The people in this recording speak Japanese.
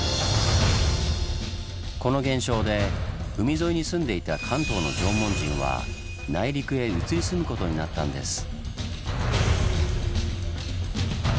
この現象で海沿いに住んでいた関東の縄文人は内陸へ移り住むことになったんです。